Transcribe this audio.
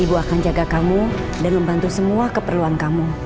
ibu akan jaga kamu dan membantu semua keperluan kamu